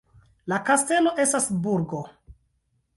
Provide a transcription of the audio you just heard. La kastelo estas burgo.